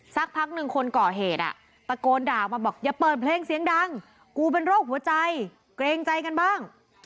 สักพักหนึ่งคนก่อเหตุตะโกนด่ามาบอกอย่าเปิดเพลงเสียงดังกูเป็นโรคหัวใจเกรงใจกันบ้าง